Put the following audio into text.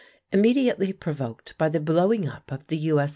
Immediately provoked by the blowing up of the U.